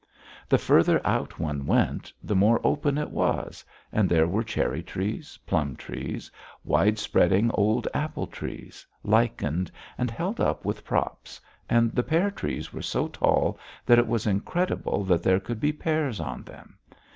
The further out one went, the more open it was, and there were cherry trees, plum trees, wide spreading old apple trees, lichened and held up with props, and the pear trees were so tall that it was incredible that there could be pears on them.